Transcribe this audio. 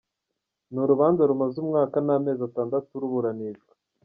Ni urubanza rumaze umwaka n’amezi atandatu ruburanishwa.